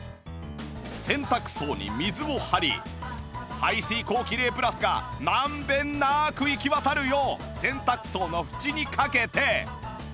洗濯槽に水を張り排水口キレイプラスが満遍なく行き渡るよう洗濯槽の縁にかけて